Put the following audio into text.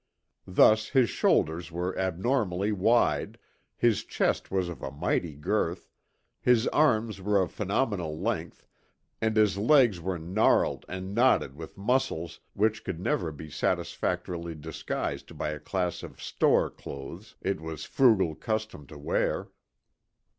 Thus, his shoulders were abnormally wide, his chest was of a mighty girth, his arms were of phenomenal length, and his legs were gnarled and knotted with muscles which could never be satisfactorily disguised by the class of "store" clothes it was his frugal custom to wear.